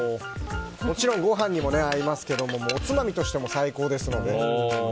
もちろん、ご飯にも合いますがおつまみとしても最高ですのでね。